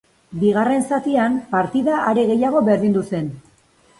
Bigarren zatian partida are gehiago berdindu zen.